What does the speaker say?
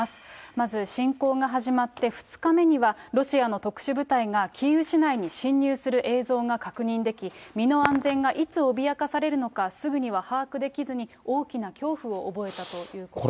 まず侵攻が始まって２日目には、ロシアの特殊部隊がキーウ市内に侵入する映像が確認でき、身の安全がいつ脅かされるのか、すぐには把握できずに、大きな恐怖を覚えたということです。